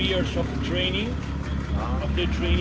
kita melakukan empat tahun latihan